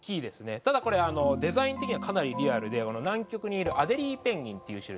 ただこれデザイン的にはかなりリアルで南極にいるアデリーペンギンっていう種類です。